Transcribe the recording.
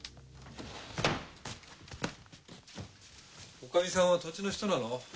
女将さんは土地の人なの？